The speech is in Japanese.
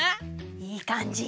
いいかんじ！